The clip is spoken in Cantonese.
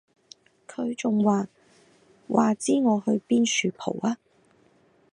佢仲話:話知我去邊恕蒲吖